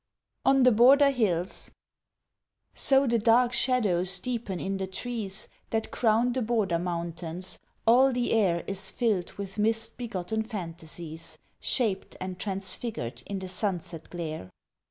ON THE BORDER HILLS So the dark shadows deepen in the trees That crown the border mountains, all the air Is filled with mist begotten phantasies, Shaped and transfigured in the sunset glare.